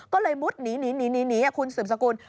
ก็เลยมุดหนีคุณสืบสกุล